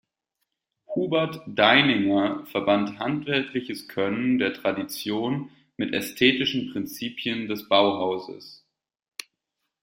Hubert Deininger verband handwerkliches Können der Tradition mit ästhetischen Prinzipien des Bauhauses.